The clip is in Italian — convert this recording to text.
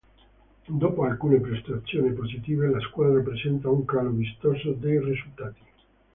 Dopo alcune prestazioni positive, la squadra presenta un calo vistoso dei risultati.